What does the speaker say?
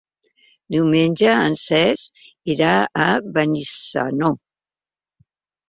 Diumenge en Cesc irà a Benissanó.